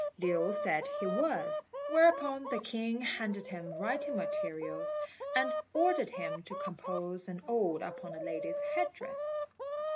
Lin said he was; whereupon the king handed him writing materials, and ordered him to compose an ode upon a lady's head dress.